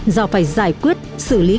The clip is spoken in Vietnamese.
do phải giải quyết xử lý